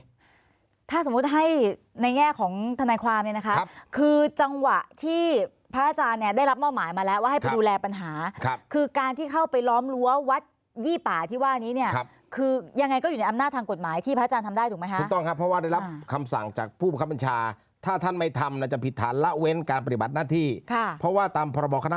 พระบาทธรรมนี้พระบาทธรรมนี้พระบาทธรรมนี้พระบาทธรรมนี้พระบาทธรรมนี้พระบาทธรรมนี้พระบาทธรรมนี้พระบาทธรรมนี้พระบาทธรรมนี้พระบาทธรรมนี้พระบาทธรรมนี้พระบาทธรรมนี้พระบาทธรรมนี้พระบาทธรรมนี้พระบาทธรรมนี้พระบาทธรรมนี้พระบาทธรรมนี้พระบาทธรรมนี้พระบาท